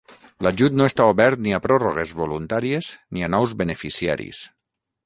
L'ajut no està obert ni a pròrrogues voluntàries ni a nous beneficiaris.